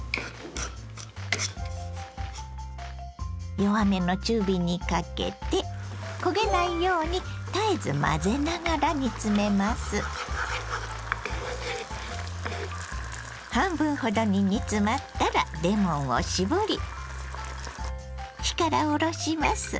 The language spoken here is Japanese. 弱めの中火にかけて半分ほどに煮詰まったらレモンを搾り火から下ろします。